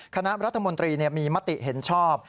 คณะรัฐมนตรีมีมติเห็นชอบ